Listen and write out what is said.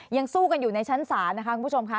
ยังสู้กันอยู่ในชั้นศาลนะคะคุณผู้ชมค่ะ